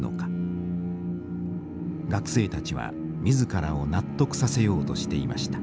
学生たちは自らを納得させようとしていました。